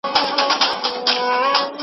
هغه ته کافي اجرونه ورکول کيږي.